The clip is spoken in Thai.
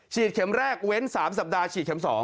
เข็มแรกเว้น๓สัปดาห์ฉีดเข็ม๒